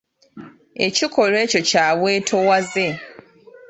Ekikolwa ekyo kya bwetoowaze.